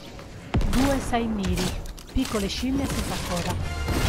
Due saimiri, piccole scimmie senza coda.